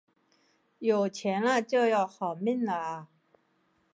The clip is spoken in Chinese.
有钱了就要好命了啊